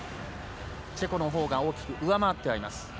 チェコのほうが大きく上回ってはいます。